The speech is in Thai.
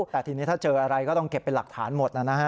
แต่ทีนี้ถ้าเจออะไรก็ต้องเก็บเป็นหลักฐานหมดนะฮะ